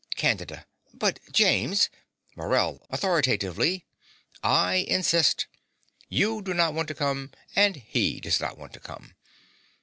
CANDIDA. But James MORELL (authoritatively). I insist. You do not want to come; and he does not want to come.